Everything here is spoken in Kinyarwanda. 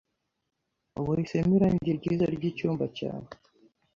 Wahisemo irangi ryiza ryicyumba cyawe.